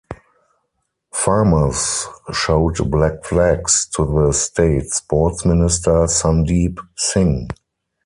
Farmers showed black flags to the state sports minister Sandeep Singh.